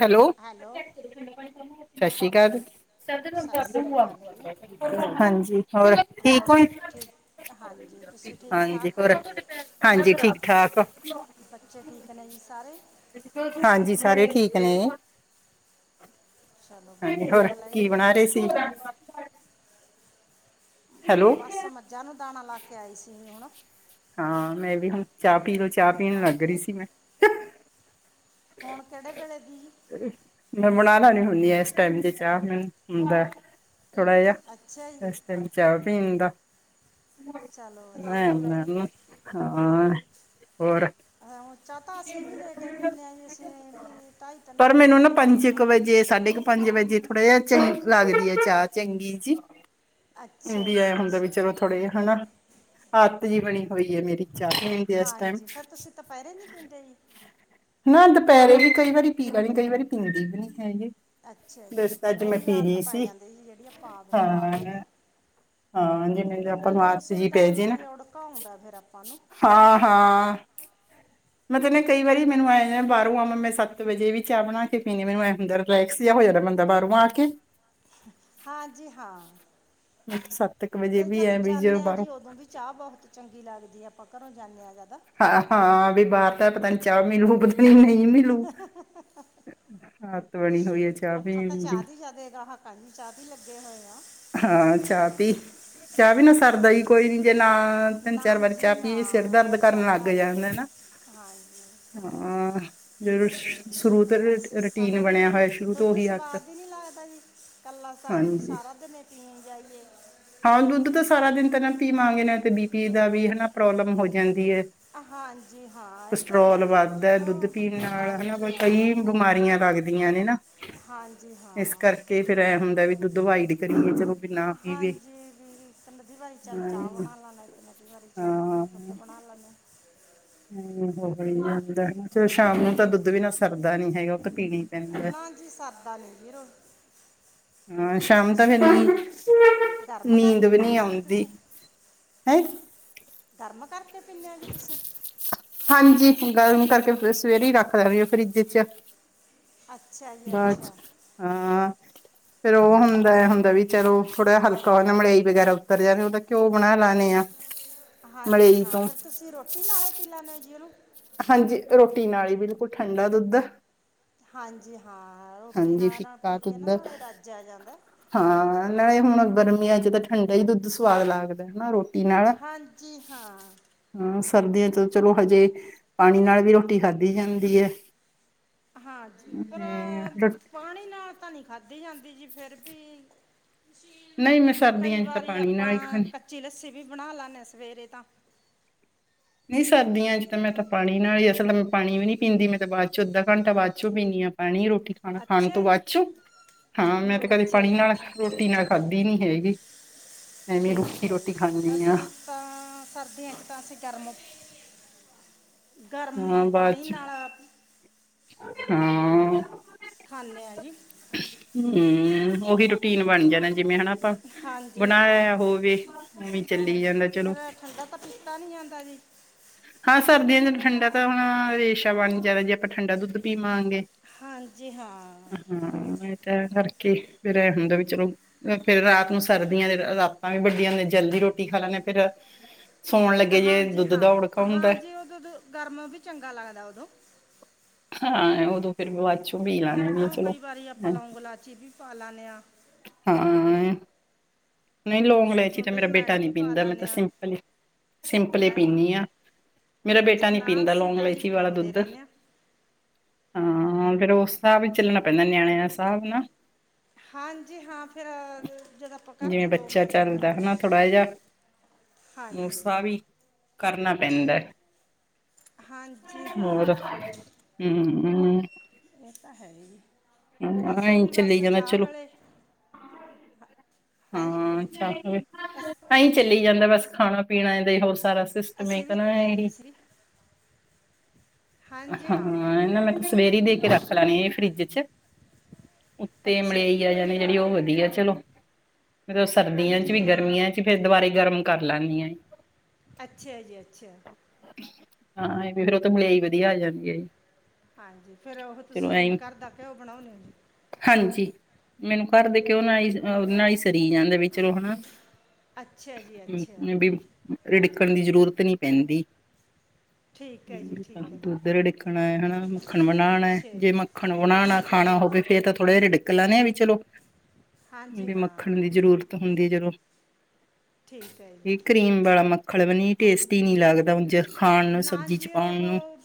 Hello, ਸਸ ਸ਼੍ਰੀ ਕਾਲ। ਸਤਿ ਸ੍ਰੀ ਅਕਾਲ ਜੀ ਹਾਂਜੀ। ਹੋਰ ਠੀਕ ਹੋਰ ਓ ਜੀ। ਠੀਕ ਹਾਂਜੀ ਤੁਸੀਂ ਠੀਕ ਹਾਂਜੀ, ਠਾਕ ਹੋ ਹੋਰ, ਹਾਂਜੀ, ਠੀਕ- ਠਾਕ। ਬੱਚੇ ਠੀਕ ਨੇ ਜੀ ਸਾਰੇ। ਹਾਂਜੀ, ਸਾਰੇ ਠੀਕ ਨੇ। ਚਲੋ ਹਾਂਜੀ, ਵਧੀਆ ਹੋਰ ਗੱਲ ਹੈ ਕੀ ਜੀ ਬਣਾ ਰਹੇ ਸੀ? ਹੈਲੋ, ਬਸ ਮੱਝਾਂ ਨੂੰ ਦਾਣਾ ਲਾ ਕੇ ਆਈ ਸੀ ਹੁਣ। ਹਾਂ, ਮੈਂ ਵੀ ਹੁਣ ਚਾਹ ਪੀ ਲਓ ਚਾਹ ਪੀਣ ਨਮਾ ਲੱਗ ਰਹੀ ਕੇ ਸੀ ਮੈਂ। ਹੁਣ, ਕਿਹੜੇ ਵੇਲੇ ਦੀ? ਮੈਂ ਬਣਾ ਲੈ ਨੀ ਹੁੰਦੀ ਆ ਇਸ ਟਾਈਮ ਦੇ ਚਾਹ ਮੈਨੂੰ ਹੁੰਦਾ। ਥੋੜਾ ਜਾ, ਅੱਛਾ ਜੀ ਏਸ ਟਾਈਮ ਚਾਹ ਪੀਣ ਦਾ। ਚਲੋ ਵਧੀਆ ਗੱਲ ਹੈ ਜੀ ਮੈਂ ਹਾਂ, ਹੋਰ ਅ ਚਾ ਤਾ ਅਸੀਂ ਵੀ ਲੇਟੇ ਪੀਨੇ ਆ ਜੀ ਅਸੀ ਢਾਈ ਤਿੰਨ ਵਜੇ ਈ ਬਨੋਣੇ। ਤੇ ਸਾਡੇ ਕ ਪੰਜ ਵਜੇ ਥੋੜ੍ਹਾ ਜਾ ਚੰ ਲੱਗਦੀ ਆ ਚਾਹ ਚੰਗੀ ਜੀ। ਉ ਅੱਛਾ ਵੀ ਐ ਜੀ ਹੁੰਦਾ ਵੀ ਅੱਛਾ ਚਲੋ ਓ ਥੋੜੇ ਜੇ ਹਨਾ। ਆਤ ਜੀ ਬਣੀ ਹੋਈ ਐ ਮੇਰੀ ਚਾਹ ਪੀਣ ਦੀ ਏਸ ਟਾਈਮ। ਦਪੈਰੇ ਨੀ ਪੀਂਦੇ ਜੀ? ਨਾ ਦਪੈਰੇ ਵੀ ਕਈ ਵਾਰੀ ਪੀ ਲਣੀ, ਕਈ ਵਾਰੀ ਪੀਂਦੇ ਵੀ ਨੀ ਹੈਗੀ। ਅੱਛਾ ਜੀ। ਬਸ ਅੱਛਾ ਅੱਜ ਮੈਂ ਓਹੀ ਪੀ ਆੱਤ ਲਈ ਪੈ ਸੀ ਜਾਂਦੀ ਐ, ਜੀ ਜੇੜੀ ਆਪਾ ਆਦਤ ਪਾ ਹਾਂ ਲਣੇ ਆ। ਹਾਂ ਜਿਵੇਂ ਮਿਲਗਯਾ। ਕਿ ਓਸੇ ਵੀ ਟੈਮ ਤੇ ਈ ਔੜਕਾ ਔਨਦਾ ਫੇਰ ਆਪਾਂ ਨੂੰ। ਹਾਂ-ਹਾਂ। ਮਤਲਬ ਕਈ ਵਾਰੀ ਮੈਨੂੰ ਐਂ ਬਾਹਰੋਂ ਆਵਾ ਮੈਂ ਸੱਤ ਵਜੇ ਵੀ ਚਾਹ ਬਣਾ ਕੇ ਪੀਨੀ ਮੈਨੂੰ ਐ ਹੁੰਦਾ। ਰਲੈਕਸ ਜਾ ਹੋ ਜਾਦਾ ਬੰਦਾ ਬਾਹਰੋਂ ਆ ਕੇ। ਹਾਂ, ਜੀ, ਹਾਂ। ਸੱਤ ਕੁ ਅਤੇ ਜਦ ਜਾਂਦੇ ਆ ਜੀ ਉਦੋਂ ਵੀ ਚਾਹ ਬਹੁਤ ਚੰਗੀ ਲੱਗਦੀ ਐ, ਆਪਾਂ ਘਰੋਂ ਜਾਂਦੇ ਆ ਜਦ। ਹ ਹਾਂ ਵੀ ਬਾਹਰ ਤਾਂ ਪਤਾ ਨੀ ਚਾਹ ਮਿਲੂ ਪਤਾ ਨੀ ਨਹੀਂ ਮਿਲੂ। ਆਦਤ ਬਣੀ ਹੋਈ ਆ ਜੀ। ਆਪਾ ਤਾਂ ਚਾਹ ਹੀ ਜ਼ਿਆਦੇ ਗਾਹਕ ਜੀ ਚਾਹ ਤੇ ਈ ਲੱਗੇ ਹੋਏ ਆ। ਹਾਂ, ਚਾਹ ਪੀ ਚਾਹ ਵੀਨਾ ਸਰਦਾ ਈ ਹਾਂਜੀ ਕੋਈ ਨੀ। ਜੇ ਨਾ ਤਿੰਨ ਚਾਰ ਨਾ ਵਾਰੀ ਜੀ ਚਾਹ ਨਾ ਪੀਏ ਸਿਰ ਦਰਦ ਕਰਨ ਲੱਗ ਸਰਦਾ ਨਹੀਂ ਜੀ ਜਾਂਦਾ ਨਾ। ਹਾਂਜੀ। ਹਾਂ। ਜ ਅੱਛਾ, ਸਾਨੂੰ ਵੀ ਹੋਇਆ ਸ਼ੁਰੂ ਤੋਂ ਦੁੱਧ ਉਹੀ ਆਦਤ ਸਵਾਦ ਈ ਨੀ ਲੱਗਦਾ ਜੀ। ਕੱਲਾ ਸਾਇਦੀ ਹਾਂਜੀ ਸਾਰਾ ਦਿਨ ਪੀਏ ਜਾਈਏ। ਹਾਂ, ਦੁੱਧ ਤਾਂ ਸਾਰਾ ਦਿਨ ਤਾਂ ਨਾ ਪੀਵਾਂਗੇ ਨੇ ਤੇ ਬੀ ਪੀ ਦਾ ਵੀ ਹਨਾ, ਪ੍ਰੋਬਲਮ ਹੋ ਜਾਂਦੀ ਏ। ਹਾਂਜੀ ਹਾਂ ਇਹ ਤਾਂ ਕਸਟਰੋਲ ਹੈ ਵੱਧਦਾ ਦੁੱਧ ਤਾਂ ਪੀਣ ਨਾਲ ਹਾਂਜੀ ਹਨਾ, ਕਈ ਹਾਂ ਬਿਮਾਰੀਆਂ ਲੱਗਦੀਆਂ। ਨੇ ਨਾ, ਹਾਂਜੀ ਇਸ ਹਾਂ ਕਰਕੇ ਫੇਰ ਐ ਹੁੰਦਾ ਵੀ, ਦੁੱਧ ਵਾਈਡ ਕਰੀਏ ਚਲੋ। ਵੀ ਨਾ ਪੀਵੇ ਹਾਂਜੀ, ਦੀ ਮਧੀ ਵਾਰੀ ਚੱਲ ਹਾਂ ਚਾਹ ਬਣਾ ਲੈਂਨੇ। ਇੱਕ-ਅੱਧੀ ਵਾਰੀ ਚੱਲ ਹਾਂ ਦੁੱਧ ਬਣਾ ਲੈਂਨੇ ਆ। [inaudible] ਚਲੋ ਸ਼ਾਮ ਨੂੰ ਤਾਂ ਦੁੱਧ ਹਾਂਜੀ ਬਿਨਾ ਸਰਦਾ ਨੀ ਹੈਗਾ। ਉਹ ਤਾਂ ਪੀਣੀ ਈ ਪੈਂਦਾ ਐ। ਨਾ ਜੀ ਸਰਦਾ ਨਹੀਂ ਵੀਰੋ ਫਿਰ ਹਾਂ ਸ਼ਾਮ ਦਾ ਫਿਰ, ਤੁਸੀਂ ਗਰਮ ਨੀਂਦ ਕਰਕੇ ਵੀ ਨਈ ਪੀਂਦੇ ਹੋ ਜੀ ਆਉਂਦੀ। ਤੁਸੀਂ ਹੈਂ? ਗਰਮ ਕਰਕੇ ਪੀਨੇ ਆ ਜੀ ਤੁਸੀਂ? ਹਾਂਜੀ, ਗਰਮ ਕਰਕੇ ਸਵੇਰੇ ਈ ਰੱਖ ਦਾਣੀ ਫਰਿੱਜ 'ਚ। [inaudible] ਬਾਚ ਅੱਛਾ ਆ ਫੇਰ ਉਹ ਹੁੰਦਾ-ਹੁੰਦਾ ਵੀ, ਚਲੋ ਥੋੜ੍ਹਾ ਜਿਆ ਹਲਕਾ ਹੋ, ਮਲਾਈ ਵਗੈਰਾ ਉਤਰ ਜਾਵੇ ਉਹਦਾ ਘਿਓ ਬਣਾ ਲੈਨੇ ਆ। ਹਾਂਜੀ, ਮਲਾਈ ਹਾਂ ਤੋਂ ਫੇਰ ਤੁਸੀਂ ਰੋਟੀ ਨਾਲੇ ਪੀ ਲੈਨੇ ਜੀ ਉਹਨੂੰ? ਹਾਂਜੀ, ਰੋਟੀ ਨਾਲ ਈ ਬਿਲਕੁਲ ਠੰਡਾ ਦੁੱਧ। ਹਾਂਜੀ ਹਾਂ, ਰੋਟੀ ਹਾਂਜੀ ਨਾਲੇ-ਨਾਲ ਫਿੱਕਾ ਪੀ ਕੇ ਨਾ ਦੁੱਧ ਨਾਲੇ ਰੱਜ ਆ ਜਾਂਦਾ। ਹਾਂ, ਨਾਲੇ ਹੁਣ ਗਰਮੀਆਂ 'ਚ ਤਾਂ ਠੰਡਾ ਈ ਦੁੱਧ ਸੁਵਾਦ ਲੱਗਦਾ ਹਨਾ, ਰੋਟੀ ਨਾਲ ਹਾਂਜੀ, ਹਾਂ। ਹਾਂ ਸਰਦੀਆਂ 'ਚ ਚਲੋ, ਹਜੇ ਪਾਣੀ ਨਾਲ ਵੀ ਰੋਟੀ ਖਾਧੀ ਜਾਂਦੀ ਐ। ਹਾਂਜੀ, ਪਰ ਪਾਣੀ ਨਾਲ ਤਾਂ ਨੀ ਖਾਧੀ ਜਾਂਦੀ ਜੀ ਫਿਰ ਵੀ। ਨਹੀਂ ਮੈਂ ਕਈ ਸਰਦੀਆਂ ਚ ਤਾਂ ਵਾਰੀ ਪਾਣੀ ਨਾਲ ਹੀ ਆਪਾਂ, ਖਾਂਦੀ ਕੱਚੀ ਲੱਸੀ ਵੀ ਬਣਾ ਲੈਂਨੇ ਸਵੇਰੇ ਤਾਂ ਨਈ ਸਰਦੀਆਂ 'ਚ' ਤਾਂ ਮੈਂ ਤਾਂ ਪਾਣੀ ਨਾਲ ਅਸਲ ਮੈਂ ਪਾਣੀ ਵੀ ਨੀ ਪੀਦੀ ਮੈਂ ਤਾਂ ਬਾਅਦ 'ਚ ਅੱਧਾ ਘੰਟਾ ਬਾਅਦ 'ਚ ਪੀਨੀਂ ਆ। ਪਾਣੀ ਏ ਰੋਟੀ, ਖਾਣਾ-ਖਾਣ ਅੱਛਾ ਤੋਂ ਜੀ ਬਾਅਦ ਚੋ ਹਾਂ, ਮੈਂ ਤੇ ਕਦੇ ਅੱਛਾ ਪਾਣੀ ਜੀ ਨਾਲ ਅੱਛਾ ਰੋਟੀ ਨਾ ਖਾਧੀ ਨੀ ਹੈਗੀ। ਐਵੇਂ ਰੁੱਖੀ ਠੀਕ ਐ ਰੋਟੀ ਜੀ, ਖਾਂਦੀ ਹਾਂ ਅਸੀ ਤਾਂ ਸਰਦੀਆਂ, ਇੱਕ ਤਾਂ ਅਸੀਂ ਗਰਮ 'ਚ ਗਰਮ ਹਾਂ ਬਾਅਦ ਪਾਣੀ ਚ ਨਾਲ ਹਾਂ ਖਾਂਨੇ ਆ ਜੀ। ਹੂੰ, ਉਹੀ ਰੂਟੀਨ ਬਣ ਜਾਣਾਂ ਜਿਵੇਂ ਹਨਾ ਆਪਾਂ, ਹਾਂਜੀ ਬਣਾਇਆ ਹਾਂ ਹੋਵੇ ਓਂਵੇ ਚੱਲੀ ਜਾਂਦਾ ਚਲੋ। ਫਿਰ ਠੰਡਾ ਤਾਂ ਖੱਟਾ ਨੀ ਲਿਆਂਦਾ ਜੀ? ਹਾਂ, ਸਰਦੀਆਂ 'ਚ ਠੰਡਾ ਤਾਂ ਹੁਣ ਰੇਸ਼ਾ ਬਣ ਜਾਣਾਂ, ਜੇ ਆਪਾਂ ਠੰਡਾ ਦੁੱਧ ਪੀਵਾਂਗੇ। ਹਾਂਜੀ ਹਾਂ ਹਾਂ, ਇਹ ਤਾਂ ਐ, ਪਰ ਕੇ ਫੇਰ ਅਹ ਹੁੰਦਾ ਵੀ ਚਲੋ ਫੇਰ ਰਾਤ ਨੂੰ ਸਰਦੀਆਂ ਦੇ ਰਾਤਾਂ ਵੀ ਵੱਡੀਆਂ ਹੁੰਦੀਆਂ। ਜਲਦੀ ਰੋਟੀ ਖਾ ਲੈਂਨੇ ਆ ਫਿਰ ਸੌਣ ਲੱਗੇ ਜੇ ਹਾਂਜੀ ਦੁੱਧ ਦੌੜ ਹਾਂ ਜੀ, ਉਦੋਂ ਤੇ ਗਰਮ ਵੀ ਚੰਗਾ ਲੱਗਦਾ ਉਦੋਂ। ਹਾਂ, ਉਦੋਂ ਫਿਰ ਵਾਦ ਚੋਂ ਵੀ ਲ ਲੈਣੇ ਕਿਉਂ ਕਈ ਵਾਰੀ ਆਪਾਂ ਲੌਂਗ, ਲਾਚੀ ਵੀ ਪਾ ਲਾਂਨੇ ਆ। ਹਾਂ ਨ‌ਈ, ਲੌਂਗ-ਲੈਚੀ ਤਾਂ ਸੁੰਡ ਮੇਰਾ ਬੇਟਾ ਜਮੈਣ ਨੀ ਵੀ ਪਾ ਪੀਂਦਾ ਮੈਂ ਲੈਂਦੇ ਤਾਂ ਹਾਂ ਸਿੰਪਲ ਈ, ਸਿੰਪਲ ਈ ਹੈਂ ਜੀ ਪੀਂਨੀ ਆਂ। ਮੇਰਾ ਬੇਟਾ ਅੱਛਾ ਨੀ ਨਾ ਪੀਂਦਾ ਅਸੀਂ ਲੌਂਗ ਤਾਂ ਜੀ ਅਲਾਇਚੀ ਵਾਲਾ ਪਾਉਂਦੇ ਦੁੱਧ ਰਹਿੰਦੇ ਹਾਂ ਹਾਂ, ਫੇਰ ਉਸ ਸਾਬ 'ਚ ਚੱਲਣਾ ਪੈਂਦਾ ਨਿਆਨਿਆ ਸਾਬ੍ਹ ਨਾ। ਹਾਂ ਜੀ ਹਾਂ, ਫੇਰ ਜਦੋਂ ਆਪਾਂ ਘਰ ਜਿਵੇਂ ਦੇ ਦੋ ਬੱਚਾ ਮੈਂਬਰ ਚੱਲਦਾ ਹੁੰਨੇ ਆ ਮੂਸਾ ਵੀ ਕਰਨਾ ਪੈਂਦਾ। ਹਾਂਜੀ ਹੋਰ? ਹਾਂ [unintelligible] ਇਹ ਤਾਂ ਹੈ ਈ ਐ। ਅਸੀਂ ਅਈ ਵੀ ਚੱਲੀ ਬਸ ਜਾਂਦਾ ਚਾਹ ਚਲੋ ਵੇਲੇ ਹਾਂਜੀ ਹਾਂ, ਅੱਛਾ ਫੇਰ ਅਸ ਐ ਈ ਚੱਲੀ ਜਾਂਦਾ ਬਸ, ਖਾਣਾ-ਪੀਣਾ ਏਂਦਾ ਈ ਹੋਰ ਸਾਰਾ ਅਸੀਂ ਵੀ ਹਾਂ ਜੀ ਅਸੀਂ ਵੀ ਹਾਂਜੀ ਹਾਂ [unintelligible] ਸਵੇਰੇ ਈ, ਦੇ ਕੇ ਰੱਖ ਲੈਣੀ, ਇਹ ਫਰਿੱਜ ਚ। ਉੱਤੇ ਅੱਛਾ ਮਲਾਈ ਜੀ ਆ ਜਾਣੀ ਜਿਹੜੀ, ਉਹ ਵਧੀਆ ਚਲੋ, ਮਤਲਬ, ਸਰਦੀਆਂ ਚ ਹਾਂਜੀ ਵੀ, ਇਹ ਨਾ ਗਰਮੀਆਂ ਚ। ਫੇਰ, ਦੁਬਾਰੇ ਗਰਮ ਕਰ ਲੈਂਦੀ ਆ ਜੀ। ਅੱਛਾ ਜੀ, ਅੱਛਾ। ਹਾਂ, ਇਹ ਵੇ ਫੇਰ, ਉਹ ਤੇ ਮਲਿਆਈ, ਵਧੀਆ ਆ ਜਾਂਦੀ। ਹੈ ਜੀ ਹਾਂਜੀ, ਫੇਰ ਉਹ ਚਲੋ ਐ ਤੁਸੀਂ ਘਰ ਦਾ ਘਿਓ, ਬਣਾਉਂਦੇ ਹੋ ਜੀ? ਹਾਂਜੀ, ਮੈਨੂੰ ਘਰ ਦੇ, ਘਿਓ ਨਾਲ ਈ -ਨਾਲ ਈ ਸਰੀ ਜਾਂਦਾ। ਵੀ, ਚਲੋ ਹਨਾ ਅੱਛਾ ਜੀ ਅੱਛਾ [unintelligible] ਰਿੜਕਣ ਦੀ, ਜ਼ਰੂਰਤ ਨਹੀਂ ਪੈਂਦੀ। ਠੀਕ ਹੈ ਜੀ ਠੀਕ ਹੈ ਦੁੱਧ ਰਿੜਕਣਾ, ਹੈਨਾ, ਮੱਖਣ ਬਣਾਣਾ ਅੱਛਾ ਜੇ ਜੀ ਮੱ ਖਣੋਣਾ ਨਾ ਖਾਣਾ ਹੋਵੇ, ਫੇਰ ਤਾਂ ਥੋੜੇ ਜਿਹਾ ਰਿੜਕ ਲੈੰਦੇ ਆਂ, ਵੀ ਚਲੋ ਹਾਂਜੀ ਵੀ, ਹਾਂ ਮੱਖਣ ਦੀ ਜ਼ਰੂਰਤ ਹੁੰਦੀ ਹੈ, ਜਦੋਂ ਠੀਕ ਹੈ ਜੀ। ਇਹ ਕਰੀਮ ਵਾਲਾ ਮੱਖਲ ਵੀ ਨੀ, ਟੇਸਟੀ ਨੀ, ਲੱਗਦਾ ਉੰਝ। ਨਾ ਜੀ, ਉਹ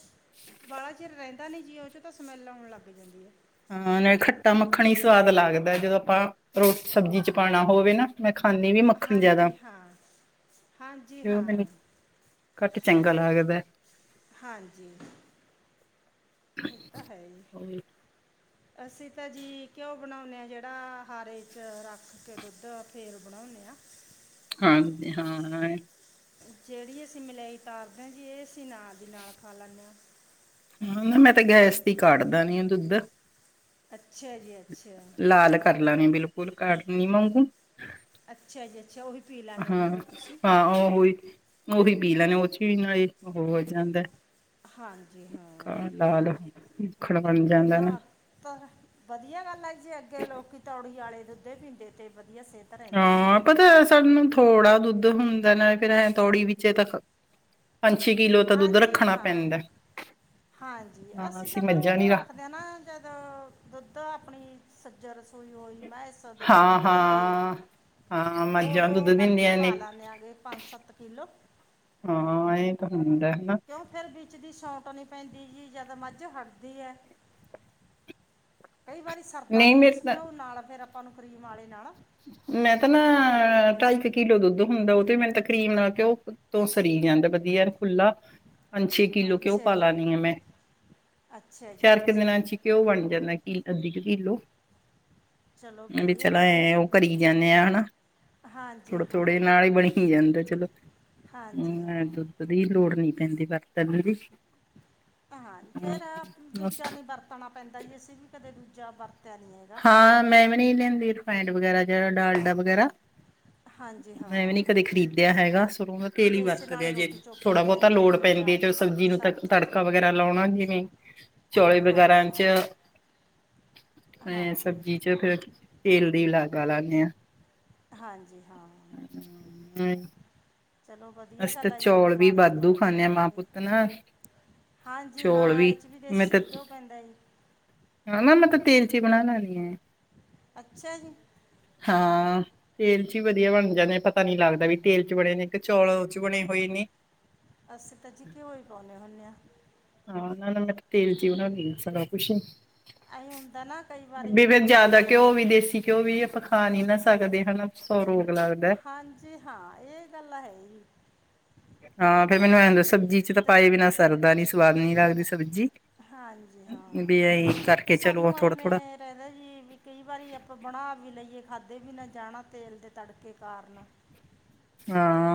ਵਾਲਾ ਚਿਰ ਰਹਿੰਦਾ ਨਹੀਂ ਜੀ, ਉਹ 'ਚੋਂ ਤਾਂ ਸਮੈੱਲ ਆਉਣ ਲੱਗ ਜਾਂਦੀ ਹੈ। ਹਾਂ, ਖੱਟਾ ਮੱਖਣ ਹੀ ਸਵਾਦ ਲੱਗਦਾ, ਜਦੋਂ ਆਪਾਂ, ਸਬਜ਼ੀ ਚ ਪਾਉਣਾ ਹੋਵੇ ਨਾ। ਮੈਂ ਖਾਂਦੀ ਨਹੀਂ, ਮੱਖਣ ਜ਼ਿਆਦਾ ਹਾਂਜੀ ਹਾਂ ਹਾਂਜੀ ਕਿਉੰ, ਮੈਨੂੰ ਹਾਂ ਘੱਟ, ਚੰਗਾ ਲੱਗਦਾ। ਹਾਂਜੀ, ਇਹ ਤਾਂ ਹੈ ਜੀ। ਅਸੀਂ ਤਾਂ ਜੀ, ਘਿਓ ਬਣਾਉਂਦੇ ਹਾਂ, ਜਿਹੜਾ 'ਹਾਰੇ 'ਚ ਰੱਖ ਕੇ ਦੁੱਧ ਫ਼ੇਰ, ਬਣਾਉਨੇ ਆਂ। ਹਾਂਜੀ, ਹਾਂ। ਜਿਹੜੀ ਅਸੀਂ, ਮਲਾਈ ਤਾਰਦੇ ਹਾਂ ਜੀ, ਇਹ ਅਸੀਂ ਨਾਲ ਦੀ ਨਾਲ, ਖਾ ਲੈਂਦੇ ਹਾਂ। ਮੈਂ ਤੇ, ਗੈਸ ਤੇ ਹੀ ਕਾੜ ਦੇਨੀ ਆ, ਦੁੱਧ। ਅੱਛਾ ਜੀ। ਅੱਛਾ ਲਾਲ ਕਰ ਲੈੰਨੀ ਆਂ, ਬਿਲਕੁਲ ਕਾੜਨੀ ਵਾਂਗੂੰ। ਅੱਛਾ ਜੀ, ਅੱਛਾ, ਉਹ ਹੀ ਹਾਂ, ਹਾਂ ਉਹੀ- ਉਹੀ ਪੀ ਲੈੰਨੇ, ਉਸੇ ਨਾਲ ਹੀ ਉਹ ਹੋ ਜਾਂਦਾ। ਹਾਂਜੀ ਹਾਂ ਗਾ, ਲਾਲ ਬਣ ਜਾਂਦਾ ਨਾ, ਤਾਂ ਵਧੀਆ ਗੱਲ ਹੈ ਜੀ, ਅੱਗੇ ਲੋਕ ਤੌੜੀ, ਵਾਲੇ ਦੁੱਧ, ਪੀਂਦੇ ਤੇ ਵਧੀਆ ਸਿ ਹਾਂ, ਪਤਾ ਸਾਨੂੰ ਥੋੜਾ ਦੁੱਧ ਹੁੰਦਾ ਨਾ, ਫੇਰ ਐਂ ਤੌੜੀ ਵਿੱਚ ਤਾਂ ਪੰਜ, ਛੇ ਕਿਲੋ ਤਾਂ, ਦੁੱਧ ਹਾਂਜੀ ਰੱਖਣਾ ਹਾਂ ਪੈਂਦਾ। ਹਾਂਜੀ, ਹਾਂ ਅਸੀਂ ਤਾਂ ਫਿਰ ਮੱਝਾਂ ਉਦੋਂ ਨੀ ਰੱਖ ਰੱਖਦੇ ਹਾਂ ਨਾ। ਜਦੋਂ ਦੁੱਧ, ਆਪਣੀ ਸੱਜ, ਰਸੋਈ ਹੋਈ ਮੈਂਸ ਦੁੱਧ, ਹਾਂ, ਵੱਧ ਦਿੰਦੀ ਆ, ਜੀ। ਹਾਂ। ਹਾਂ ਮੱਝਾਂ ਦੁੱਧ ਉਦੋਂ, ਕਰਕੇ ਦਿੰਦੀਆਂ ਪਾ ਨੇ ਲੈੰਦੇ ਆ ਜੀ ਪੰਜ, ਸੱਤ ਕਿਲੋ। ਹਾਂ, ਐੰ ਈ ਕਿਉਂ, ਫਿਰ ਵਿੱਚ ਦੀ ਛੌਟ ਨਹੀਂ ਪੈਂਦੀ ਜੀ, ਜਿਆਦਾ ਮੱਝ ਹਟਦੀ ਹੈ। ਕਈ ਵਾਰੀ ਸਰਦਾ ਨਹੀਂ ਨੀ, ਮੇਰੇ ਉਸ ਤਾਂ ਘਿਓ ਨਾਲ, ਫ਼ਿਰ ਆਪਾਂ ਨੂੰ ਕਰੀਮ ਵਾਲੇ ਨਾਲ ਮੈਂ ਤਾਂ ਨਾ, ਢਾਈ ਕੁ ਕਿਲੋ ਦੁੱਧ ਹੁੰਦਾ, ਉਹ ਤੇ ਮੈ ਤਕਰੀਬਨ ਘਿਓ ਤੋਂ, ਸਰੀ ਜਾਂਦਾ ਵਧੀਆ, ਯਾਰ, ਖੁੱਲਾ ਪੰਜ- ਛੇ ਕਿੱਲੋ ਘਿਓ ਅੱਛਾ ਪਾ ਜੀ ਲਾਨੀ ਆ ਮੈਂ। ਅੱਛਾ ਜੀ ਚਾਰ ਕੁ ਦਿਨਾਂ ਅੱਛਾ ਚ, ਈ ਘਿਓ ਬਣ ਜਾਂਦਾ, ਕਿ, ਅੱਧੀ ਕੁ ਕਿਲੋ। ਚਲੋ ਵੀ ਵਧੀਆ ਚਲੋ, ਗੱਲ ਹੈ ਜੀ ਐਂ, ਓ ਕਰੀ ਜਾਂਨੇ ਆ, ਹੈਨਾ। ਹਾਂਜੀ ਥੋੜੇ- ਹਾਂ ਥੋੜੇ ਨਾਲ ਹੀ, ਬਣੀ ਜਾਂਦਾ ਚਲੋ ਹਾਂਜੀ ਹਾਂ ਦੂ ਦੀ, ਲੋੜ੍ਹ ਨਹੀਂ ਪੈਂਦੀ ਵਰਤਣ ਦੀ। ਹਾਂ, ਫੇਰ ਦੂਜਾ ਨੀ, ਵਰਤਣਾ ਪੈਂਦਾ ਜੀ, ਅਸੀਂ ਵੀ ਕਦੇ ਦੂਜਾ ਵਰਤ- ਹਾਂ, ਮੈਂ ਵੀ ਨਹੀਂ ਲੈਂਦੀ, ਰਿਫਾਇੰਡ, ਵਗੈਰਾ ਜਾ ਡਾਲਡਾ ਵਗੈਰਾ। ਹਾਂਜੀ ਮੈਂ ਵੀ ਹਾਂ ਨੀ, ਕਦੇ ਖ਼ਰੀਦਿਆ ਹੈਗਾ, ਸਰੋਂ ਦਾ ਤੇਲ ਹੀ ਇਸੇ ਵਰਤਦੇ ਆ ਨਾਲੇ ਜੀ। ਰੋਟੀ ਥੋੜਾ ਚੋਪੜਦੇ ਹਾਂ ਬਹੁਤਾ ਜੀ ਲੋੜ ਇਹੀ ਪੈਂਦੀ ਹੈ ਦਾਲ 'ਚ ਜੇ ਪਾ ਕੇ ਸਬਜ਼ੀ ਨੂੰ 'ਚ ਤੜਕਾ ਵਗੈਰਾ ਲਾਉਣਾ ਕਿ ਨੀ ਚੌਲੇ ਵਗੈਰਾ ਹਾਂਜੀ ਚ [inaudible] ਹਾਂਜੀ ਸਬਜ਼ੀ ਵਿਚ ਫਿਰ ਤੇਲ ਦੀ ਲਾਗਾ ਲਾਦੇ ਹਾਂ। ਹਾਂਜੀ, ਹਾਂ ਚਲੋ ਵਧੀਆ ਅਸੀਂ ਤਾਂ ਗੱਲ ਹੈ ਜੀ ਚੌਲ ਵੀ ਬਿਮਾਰੀਆਂ ਤੋਂ ਵਾਧੂ ਬਚੇ ਖਾਂਦੇ ਹਾਂ ਮਾਂ ਰਹਾਂਗੇ। ਪੁੱਤ ਨਾ ਹਾਂਜੀ, ਹਾਂ ਇਹ ਚ ਵੀ ਦੇਸੀ ਘਿਓ ਪੈਂਦਾ ਜੀ। ਹਨਾ ਮੈਂ ਤਾਂ ਤੇਲ ਚੀ ਬਣਾ ਲੈਣੀ ਹੈ। ਅੱਛਾ ਜੀ, ਹਾਂ ਤੇਲ ਵਿੱਚ ਵੀ ਵਧੀਆ ਬਣ ਜਾਂਦੇ ਪਤਾ ਨੀ ਲੱਗਦਾ ਵੀ ਤੇਲ ਵਿੱਚ ਬਣੇ ਨੇ ਇੱਕ ਚੌਲ ਚ ਬਣੇ ਹੋਏ ਨੇ ਅਸੀਂ ਤਾਂ ਜੀ ਘੇਉ ਹੀ ਪਾਉਂਦੇ ਹੁੰਦੇ ਹਾਂ। ਹਾਂ ਉਹ ਨਾਲ ਮੈਂ ਤੇ ਤੇਲ ਜੀ ਉਹਨਾਂ ਦੀ ਸੁਣਾ ਕੁਛ ਐਂ ਹੁੰਦਾ ਨਾ ਕਈ ਵਾਰੀ ਬੇਵੇ ਵੀ ਜਿਆਦਾ ਘਿਓ ਕਿਤੇ ਵੀ ਦੇਸੀ ਘਿਓ ਵੀ ਆਪਾਂ ਪਾ ਨਹੀਂ ਨਾ ਸਕਦੇ ਹਨਾ [unintelligible] ਹਾਂਜੀ, ਹਾਂ ਇਹ ਗੱਲ ਹੈ। ਹਾਂ ਫੇਰ ਮੈਨੂੰ ਐ ਦਾ ਸਬਜ਼ੀ ਚ ਤਾਂ ਤੇ ਪਾਏ ਬਿਨਾ ਸਰਦਾ ਨੀ ਸਵਾਦ ਨੀ ਲਗਦੀ ਸਬਜ਼ੀ ਹਾਂਜੀ ਵੀ ਹਾਂ ਦੇ ਅਸੀਂ ਕਰਕੇ ਚਲੋ ਥੋੜਾ ਥੋੜਾ ਕਹਿੰਦਾ ਜੀ ਵੀ ਕਈ ਵਾਰੀ ਆਪਾਂ ਬਣਾ ਵੀ ਲਈਏ ਖਾਧੇ ਵੀ ਨਾ ਜਾਣਾ ਤੇਲ ਦੇ ਤੜਕੇ ਕਾਰਨ ਹਾਂ।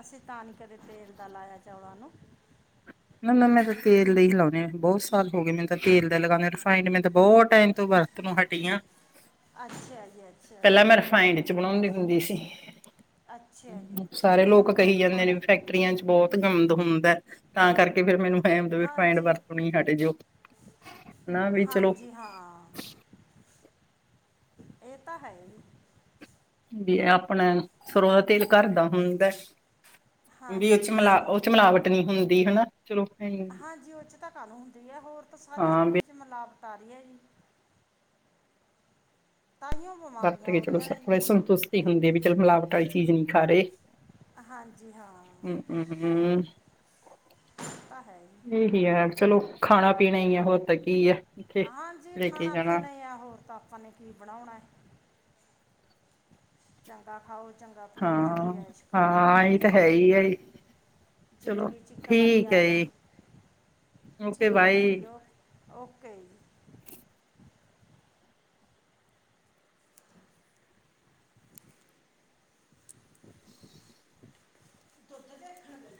ਅਸੀਂ ਤਾਂ ਨਹੀਂ ਕਦੇ ਤੇਲ ਦਾ ਲਾਇਆ ਚੌਲਾਂ ਨੂੰ ਨਾ ਨਾ ਮੈਂ ਤਾਂ ਤੇਲ ਦਾ ਹੀ ਲਾਉਣੇ ਹਾਂ ਬਹੁਤ ਸਾਲ ਹੋ ਗਏ ਮੈਨੂੰ ਤਾਂ ਤੇਲ ਦਾ ਲਗਾਉਂਦੇ ਰਿਫਾਇੰਡ ਮੈਂ ਤਾਂ ਬਹੁਤ ਤਾਹੀਂ ਤੋਂ ਵਰਤ ਨੋ ਹਟੀ ਆ ਅੱਛਾ ਜੀ ਅੱਛਾ ਪਹਿਲਾਂ ਮੈਂ ਰਿਫਾਈੰਡ ਬਣਾਉਂਦੀ ਹੁੰਦੀ ਸੀ। ਅੱਛਾ ਜੀ ਅੱਛਾ ਉਹ ਸਾਰੇ ਤਾਂ ਲੋਕ ਕਹਿੰਦੇ ਕਹੀ ਬਹੁਤ ਜਾਂਦੇ ਨੇ ਮਾੜਾ ਵੀ ਜੀ ਫੈਕਟਰੀਆਂ ਚ਼ ਬਹੁਤ ਗੰਦ ਹੁੰਦਾ ਹੈ। ਤਾਂ ਕਰਕੇ ਫਿਰ ਮੈਨੂੰ ਐ ਰਿਫਾਇੰਡ ਹਾਂਜੀ ਵਰਤਣੀ ਹਟ ਜਾਓ ਨਾ ਵੀ ਚਲੋ। ਹਾਂਜੀ ਹਾਂ, ਇਹ ਤਾਂ ਹੈ ਹੀ। ਆਪਣਾ ਸਰੋ ਦਾ ਤੇਲ ਘਰ ਦਾ ਹੁੰਦਾ ਵੀ ਉਸ ਹਾਂਜੀ ਹਾਂ ਵਿਚ ਮਿਲਾਵਟ ਨਹੀਂ ਹੁੰਦੀ ਹਨਾ ਚਲੋ। ਹਾਂਜੀ, ਉਹ 'ਚ ਤਾਂ ਕੱਲ ਹੁੰਦੀ ਹੈ ਹੋਰ ਤਾਂ ਸਾਰੀ ਹਾਂ ਵੀ ਚੀਜ਼ ਮਿਲਾਵਟ ਆ ਰਹੀ ਹੈ ਜੀ ਤਾਂਹੀਓ ਬਿਮਾਰੀਆਂ ਹੋ ਰਹੀਆਂ ਨੇ ਜੀ ਹੁਣ ਹੁੰਦੇ ਵੀ ਚੱਲ ਮਿਲਾਵਟ ਵਾਲੀ ਚੀਜ਼ ਨਹੀਂ ਖਾ ਰਹੇ। ਹਾਂਜੀ, ਹਾਂ ਹਮ ਹਮ ਉਹ ਤਾਂ ਹੈ ਇਹੀ ਹੈ ਚਲੋ ਖਾਣਾ ਪੀਣਾ ਹੀ ਹੈ ਹੋਰ ਤਾਂ ਕੀ ਹੈ। ਇੱਥੇ ਹਾਂਜੀ, ਲੈ ਕੇ ਖਾਣਾ ਜਾਣਾ ਪੀਣਾ ਆ ਹੋਰ ਤਾਂ ਆਪਾਂ ਨੇ ਕੀ ਬਣਾਉਣਾ ਹੈ। ਚੰਗਾ ਖਾਓ ਚੰਗਾ ਪੀਓ ਹਾਂ ਚੰਗੀ ਐਸ਼ ਕਰੋ ਹਾਂ ਇਹ ਤਾਂ ਹੈ ਹੀ ਹੈ। ਚਲੋ ਜ਼ਿੰਦਗੀ ਚ ਇੱਕ ਵਾਰੀ ਠੀਕ ਹੈ ਆਇਆ ਜੀ ਓਕੇ ਠੀਕ ਹੈ ਬਾਏ। ਜੀ ਉਹ? ਓਕੇ ਜੀ। ਉੱਥੇ ਦੇਖਣਾ ਪੈਂਦਾ।